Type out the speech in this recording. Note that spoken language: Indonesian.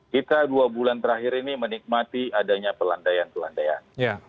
kita dua bulan terakhir ini menikmati adanya pelandaian pelandaian